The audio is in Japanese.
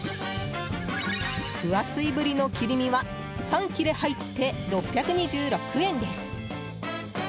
分厚いブリの切り身は３切れ入って６２６円です。